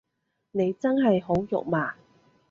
你真係好肉麻